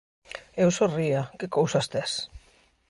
Eu sorría: ¡Que cousas tes!